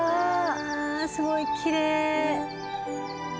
あすごいきれい。